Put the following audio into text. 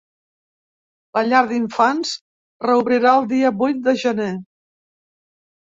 La llar d’infants reobrirà el dia vuit de gener.